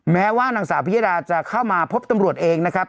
แม้ว่านางสาวพิยดาจะเข้ามาพบตำรวจเองนะครับ